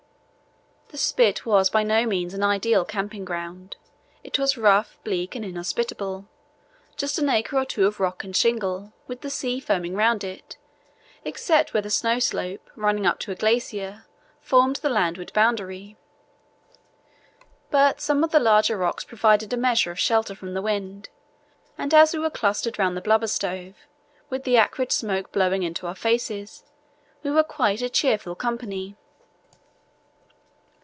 The spit was by no means an ideal camping ground; it was rough, bleak, and inhospitable—just an acre or two of rock and shingle, with the sea foaming around it except where the snow slope, running up to a glacier, formed the landward boundary. But some of the larger rocks provided a measure of shelter from the wind, and as we clustered round the blubber stove, with the acrid smoke blowing into our faces, we were quite a cheerful company.